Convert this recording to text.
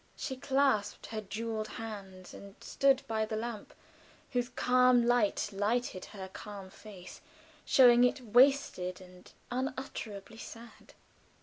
She clasped her jeweled hands and stood by the lamp, whose calm light lighted her calm face, showing it wasted and unutterably sad.